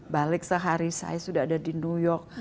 balik sehari saya sudah ada di new york